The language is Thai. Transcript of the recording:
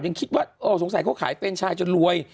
ยังคิดว่าเออสงสัยเขาขายแฟนชายจนรวย